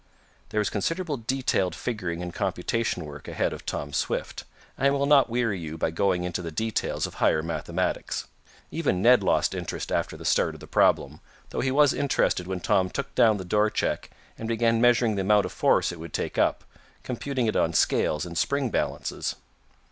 There was considerable detailed figuring and computation work ahead of Tom Swift, and I will not weary you by going into the details of higher mathematics. Even Ned lost interest after the start of the problem, though he was interested when Tom took down the door check and began measuring the amount of force it would take up, computing it on scales and spring balances.